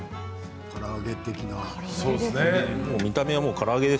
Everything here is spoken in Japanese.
から揚げ的な。